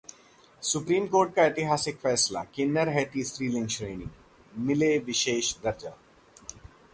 supreme court का ऐतिहासिक फैसला, किन्नर है तीसरी लिंग श्रेणी, मिले विशेष दर्जा